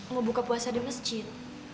mau buka puasa di masjid